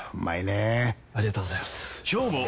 ありがとうございます！